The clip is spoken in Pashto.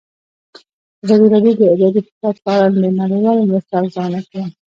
ازادي راډیو د اداري فساد په اړه د نړیوالو مرستو ارزونه کړې.